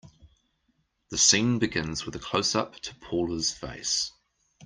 The scene begins with a closeup to Paula's face.